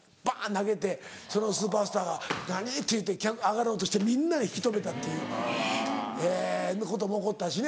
投げてそのスーパースターが何⁉っていうて上がろうとしてみんなで引き留めたっていうことも起こったしね。